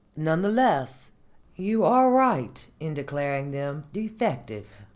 None the less, you are right in declaring them defective.